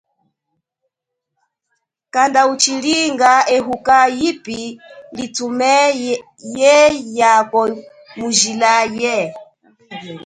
Kanda uchilinga ehuka yipi litume yeyako mu jila ye.